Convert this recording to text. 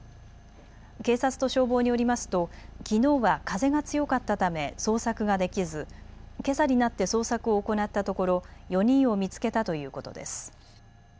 警察と消防によりますときのうは風が強かったため捜索ができずけさになって捜索を行ったところ４人を見つけたということです。